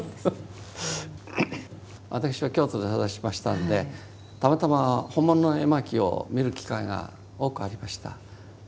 私は京都で育ちましたんでたまたま本物の絵巻を見る機会が多くありました。